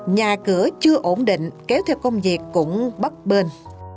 nhà cửa chưa ổn định kéo theo công việc cũng bất bên